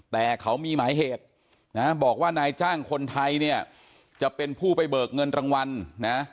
แต่เขามีหมายเหตุนะบอกว่านายจ้างคนไทยเนี่ยจะเป็นผู้ไปเบิกเงินรางวัลนะ